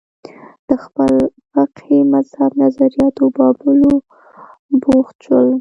د خپل فقهي مذهب نظریاتو بابولو بوخت شول